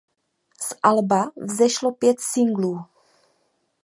Z alba vzešlo pět singlů.